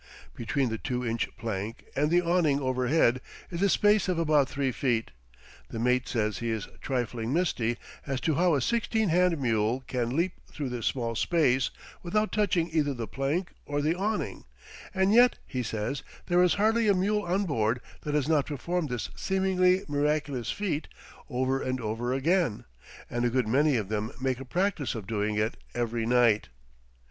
Between the two inch plank and the awning overhead is a space of about three feet; the mate says he is a trifle misty as to how a sixteen hand mule can leap through this small space without touching either the plank or the awning; "and yet," he says, "there is hardly a mule on board that has not performed this seemingly miraculous feat over and over again, and a good many of them, make a practice of doing it every night."